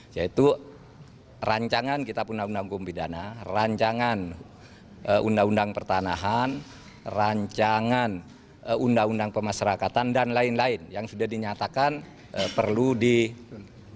yaitu rancangan kitab undang undang kumpidana rancangan undang undang pertanahan rancangan undang undang pemasarakatan dan lain lain yang sudah dinyatakan perlu diperhatikan